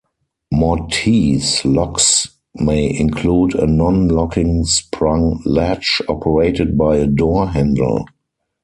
Mortise locks may include a non-locking sprung latch operated by a door handle.